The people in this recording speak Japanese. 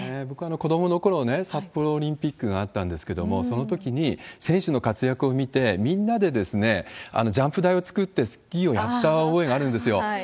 僕は子どものころ、札幌オリンピックがあったんですけれども、そのときに選手の活躍を見て、みんなでジャンプ台を作ってスキーをやった覚えがあるんですよ。